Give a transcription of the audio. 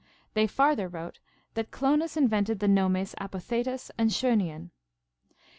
They farther write that Clonas invented the nomes Apothetus and Schoenion.